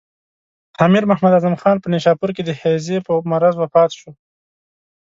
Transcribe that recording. امیر محمد اعظم خان په نیشاپور کې د هیضې په مرض وفات شو.